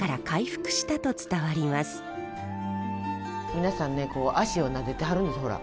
皆さんね足をなでてはるんですよほら。